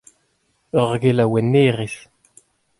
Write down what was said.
Ur gelaouennerez.